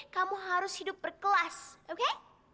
kamu harus hidup berkelas oke